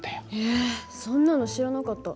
えそんなの知らなかった。